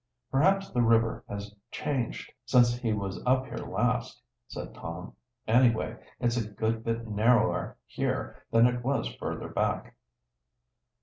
"Perhaps the river has changed since he was up here last," said Tom. "Anyway, it's a good bit narrower here than it was further back."